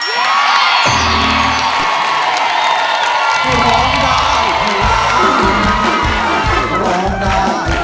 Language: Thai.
น้องปอนด์ร้องได้ให้ร้อง